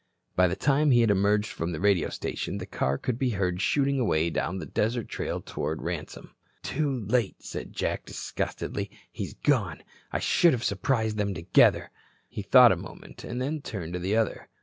By the time he had emerged from the radio station the car could be heard shooting away down the desert trail toward Ransome. "Too late," said Jack, disgustedly. "He's gone. I should have surprised them together." He thought a moment, then turned to the other.